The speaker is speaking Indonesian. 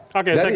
oke saya kembali